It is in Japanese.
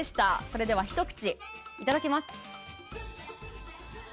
それでは、ひと口いただきます。